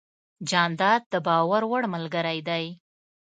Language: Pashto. جانداد د باور وړ ملګری دی.